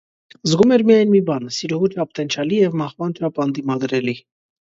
զգում էր միայն մի բան - սիրուհու չափ տենչալի և մահվան չափ անդիմադրելի.